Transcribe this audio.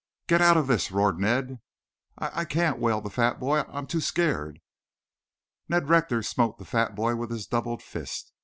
"Get out of this!" roared Ned. "I I can't," wailed the fat boy. "I I'm too scared." Ned Rector smote the fat boy with his doubled fist.